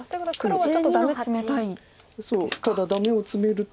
ただダメをツメると。